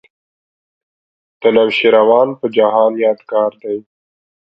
د نوشیروان په جهان یادګار دی.